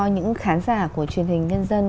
những khán giả của truyền hình nhân dân